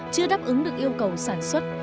chưa đáp ứng được yêu cầu sản xuất